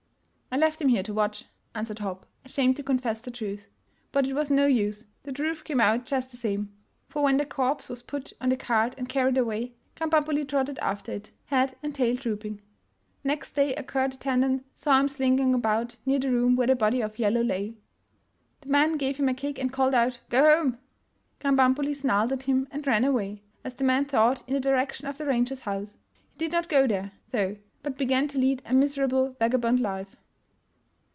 '' I left him here to watch, '' answered Hopp, ashamed to confess the truth. But it was no use — the truth came out just the same ; for when the corpse was put on the cart and carried away, Krambambuli trotted after it, head and tail drooping. Next day a court attendant saw him slinking about near the room where the body of *' Yellow '' lay. The man gave him a kick and called out "Go home!" Krambambuli snarled at him and ran away, as the man thought, in the direction of the ranger's house. He did not go there, though, but began to lead a miserable vagabond life.